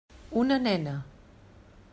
Una nena.